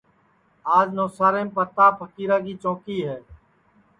آج نوساریم پرتاپ پھکیرا کی چونٚکی ہے